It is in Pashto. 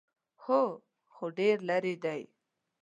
_هو، خو ډېر ليرې دی.